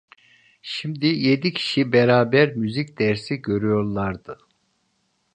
Şimdi yedi kişi beraber müzik dersi görüyorlardı.